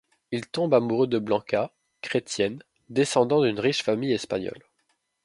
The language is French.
Il tombe amoureux de Blanca, chrétienne, descendante d'une riche famille espagnole.